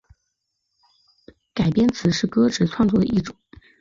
改编词是歌词创作的一种。